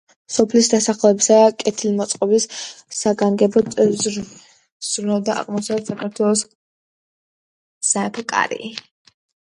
სოფლის დასახლებისა და კეთილმოწყობისათვის საგანგებოდ ზრუნავდა აღმოსავლეთ საქართველოს სამეფო კარი.